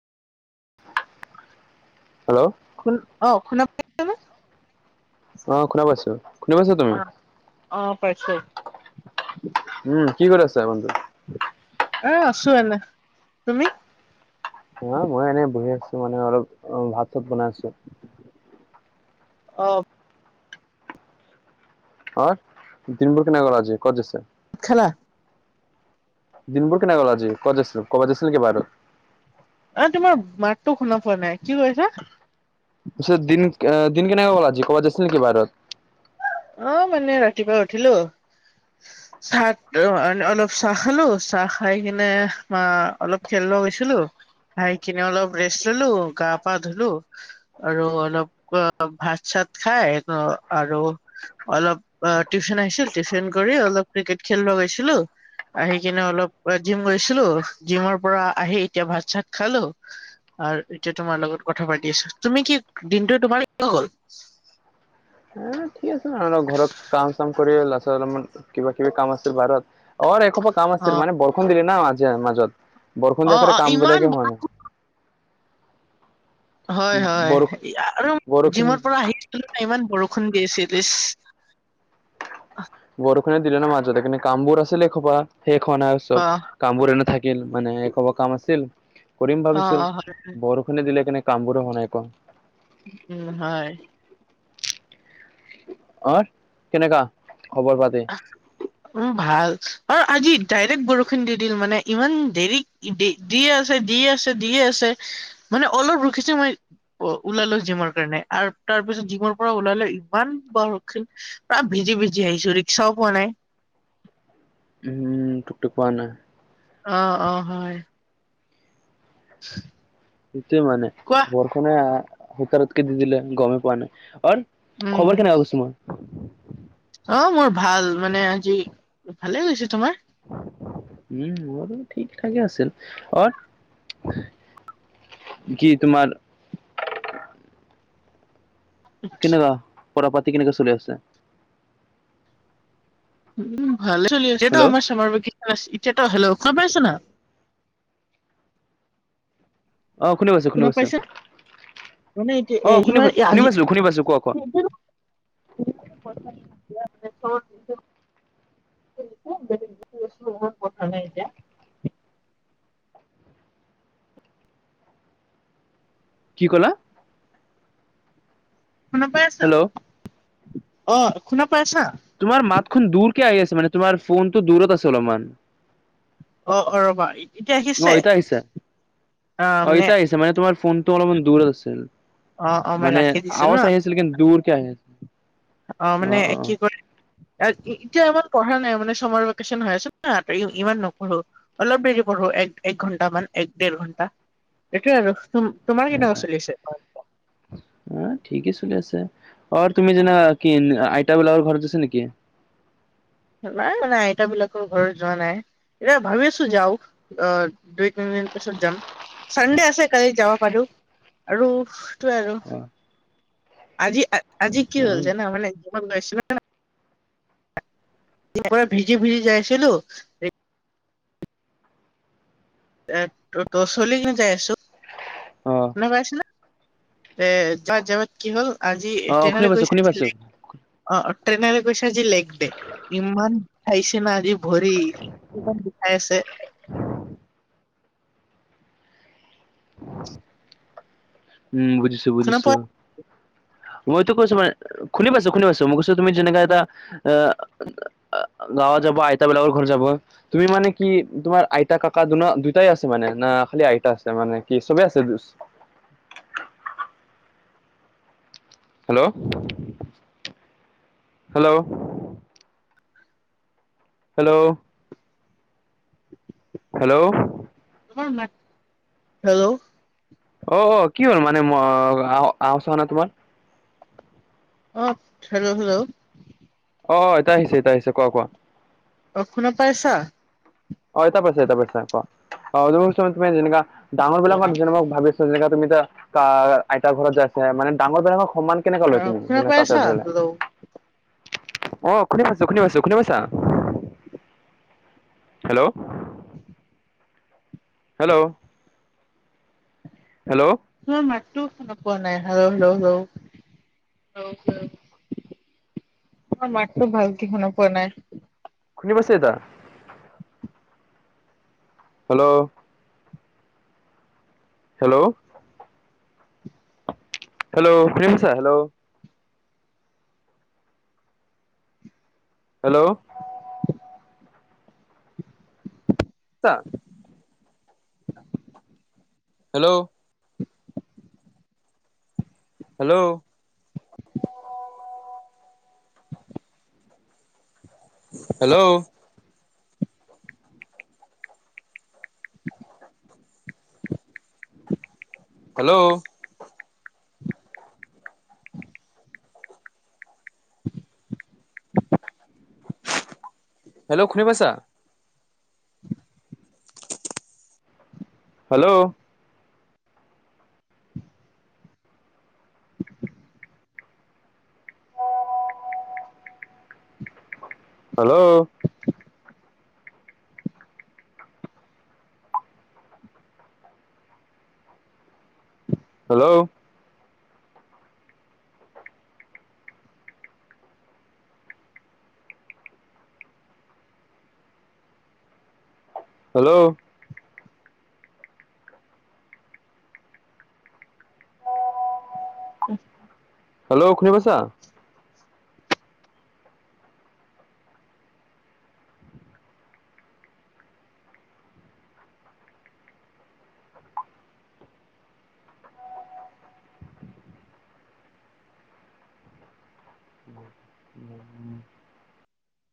Hello শুন, অ' শুনা পাইছানে? অ, শুনা পাইছোঁ। শুনি পাইছা তুমি? অ অ' পাইছোঁ। উম' কি কৰি আছা বন্ধু? এ আছো এনে। তুমি? অ' মই এনে বহি আছোঁ মানে অলপ অ' ভাত চাত বনাই আছোঁ। অ' আৰু দিনবোৰ কেনে গ'ল আজি? ক'ত দিছে? খালা? দিনবোৰ কেনে গ'ল আজি? ক'ত আছিল, ক'বাত আছিল নেকি বাৰু? অ তোমাৰ মাতটো শুনা পোৱা নাই, কি কৈছা? পিছত দিন আ দিন কেনেকুৱা গ'ল আজি, ক'বাত যাইছিল নেকি বাহিৰত? অ মানে ৰাতিপুৱা উঠিলো, অ [inaudible] [unintelligible] চাহ অ অলপ চাহ খালো, চাহ খাই কিনে আ অলপ খেলোৱা গৈছিলোঁ খাই কিনে অলপ ৰেষ্ট ললো, গা-পা ধুলো। আৰু অলপ ভাত চাত খাই, এটো আৰু, অলপ অ টিউশ্যন আহিছিল, টিউশ্যন কৰি অলপ ক্ৰিকেট খেলিব গৈছিলোঁ, আহি কিনে অলপ জিম গৈছিলো, জিমৰ পৰা আহি এতিয়া ভাত চাত খালোঁ। আৰ এতিয়া তোমাৰ লগত কথা পাতি আছো। তুমি কি দিনটো তোমাৰ [unintelligible] গ'ল উম ঠিক আছে ঘৰত কাম চাম কৰি লৰা ছোৱ [unintelligible] অলপমান কিবা কিবি কাম আছে বাৰত অ এসোপা কাম অ আছিল, মানে বৰষুণ দিলি ন আজিৰ মাজত, বৰষুণ অ দিয়া অ কাৰনে কাম ইমান বিলাকে বৰ হোৱা নাই। হয় হয়। বৰষ আৰু বৰষুণ জিমৰ পৰা আহিছিলো ন ইমান বৰষুণ দি আছিল ইছ বৰষুণে দিলে ন মাজতে। কিন্ত কামবোৰ আছিলে খোপা, শেষ হোৱা নাই অ চব। কাম বোৰে নাথাকিল মানে এখোবা কাম আছিল, কৰিম অ ভাবিছিল অ হয় বৰ ষুণে দিলে কেনে কামবোৰো হোৱা নাই ক। উম হয়। অৰ কেনেকা খবৰ পাতি? উম ভাল। অৰ আজি ডাইৰেক্ট বৰষুণ দি দিল মানে, ইমান দেৰি দে দিয়ে আছে, দিয়ে আছে, দিয়ে আছে, মানে অলপ ৰখিছে মই অ ওলালো জিমৰ কাৰণে। আৰু তাৰ পিছত জিমৰ পৰা ওলালে ইমান বৰষুণ তাত ভিজি ভিজি আহিছো ৰিক্সাও পোৱা নাই। উম টুক টুক পোৱা নাই। অ অ হয়। হয় [inaudible] সেইটোৱে মানে। বৰষুণে [unintelligible] সুতাৰতকে দি দিলে, গমেই পোৱা নাই। অৰ উম খবৰ কেনেকা কৈছো মই? অ' মোৰ ভাল, মানে আজি ভালে গৈছে। তোমাৰ? উম মোৰো ঠিক ঠাকে আছিল। অৰ কি তোমাৰ কেনেকা, পঢ়া পাতি কেনেকা চলি আছে? উম ভালে চলি আছে হেল্ল' আমাৰ চামাৰ ভেকেছন ইছে এতিয়াতো হেল্ল' খোৱা পাইছ ন। [unintelligible] অ' শুনি পাইছো। শুনি শুনা পাইছো পাইছা? মানে এতিয়া অ এ শুনি ইমান এ শুনি পাইছো আজি ান শুনি পাইছো কোৱা কোৱা চ দি [unintelligible] বলেগ কথা নাই এতিয়া। [unintelligible] কি ক'লা? শুনা পাই আছা? হেল্ল' অ শুনা পাই আছা? তোমাৰ মাতখন দূৰ কে আহি আছে, মানে তোমাৰ ফোনটো দূৰত আছে অলপমান। অ অ ৰ'বা ই অ এতিয়া আহিছে। অ ইতা আহিছে মানে তোমাৰ ফোনটো অলপমান দূৰ আছিল। অ অ মই মানে ৰাখি দিছো ন আৱাজ আহিছে লেকিন দূৰকে আহে। অ' মানে কি কয় এ-এতিয়া ইমান পঢ়া নাই, মানে চাৰ ভেকেশচন হৈ আছে না, ইমান নপঢ়ো। অলপ দেৰি পঢ়ো, এক-এক ঘণ্টামান এক দেৰ ঘণ্টা, এইটোয়ে আৰু চুম তোমাৰ কেনেকুৱা অ চলি আছে? অ ঠিকেই চলি আছে। অ তুমি যেনা কি আইতা বিলাৰ ঘৰত আছা নেকি? নাই মানে আইত বিলাকৰ ঘৰত যোৱা নাই। এয়া ভাবি আছো যাও, আহ দুই তিনিদিন পিছত যাম। চানডে আছে কালি যাব পাৰ। আৰু তো আৰু, অ আজি আজি কি হ'ল জানো মানে যিমান গৈছিল [unintelligible] পৰা ভিজি ভিজি যাই আছিলো এ ত ত' চলি কিনে যাই আছো অ' [unintelligible] এ যাত যাবাত কি হ'ল আজি অ শুনি ট্ৰনৰে পাইছো গৈছে শুনি পাইছো অ' ট্ৰনেৰে কৈছে আজি লেগ দে, ইমান বিষাইছে ন আজি ভৰি। ইমান বিষাই আছে। উম বুজিছো শুনা বুজিছো। পোৱা মইতো কৈছো মানে শুনি পাইছো, শুনি পাইছো। মই কৈছো তুমি যেনেকাে এটা আহ গাঁৱত যাব আইতা বিলাকৰ ঘৰত যাব। তুমি মানে কি তোমাৰ আইতা কাকা দুন-দুইটাই আছে মানে? না খালি আইতা আছে মানে কি চবে আছে hello hello? Hello hello [unintelligible] hello. অ অ কি হ'ল মানে ম আ-আওৱাজ অহা নাই তোমাৰ? অ হেল্ল' হেল্ল'। অ' এতিয়া আহিছে, এতিয়া আহিছে, কোৱা কোৱা? অ' শুনা পাইছা? অ' এতিয়া পাইছো, এতিয়া পাইছো কোৱা। [unintelligible] যেনেকা ডাঙৰ বিলাকৰ মোক ভাবি যেনেকা তুমি এতা কা আইতাৰ ঘৰত যাই আছা, মানে ডাঙৰ বিলাকক সমান কেনেকা অ লয় তুমি শুনা যেনে তাতে পাইছা ধৰি হেল্ল' অ' শুনি পাইছো, শুনি পাইছো, শুনি পাইছা? Hello [inaudible] hello hello. তোমাৰ মাততো শুনি পোৱা নাই হেল্লো-হেল্লো-হেল্লো-হেল্লো। মাতটো ভালে শুনা পোৱা নাই। শুনি পাইছে এতিয়া? হেল্লো' হেল্লো' হেল্ল' শুনি পাইছা? Hello. Hello. [inaudible] Hello. Hello. Hello. Hello. Hello শুনি পাইছা? হেল্ল'। হেল্ল'। হেল্ল'। হেল্ল'। উ। হেল্ল' শুনি পাইছা?